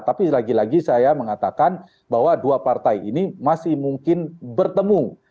tapi lagi lagi saya mengatakan bahwa dua partai ini masih mungkin bertemu